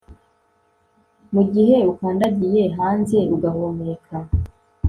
mugihe ukandagiye hanze ugahumeka